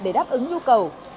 để đáp ứng nhu cầu